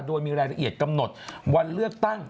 โดยมีรายละเอียดกำหนดวันเลือกตั้ง